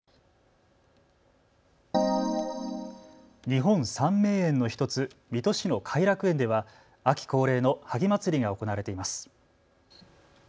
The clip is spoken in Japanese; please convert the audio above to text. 日本三名園の１つ、水戸市の偕楽園では秋恒例の萩まつりが行われています。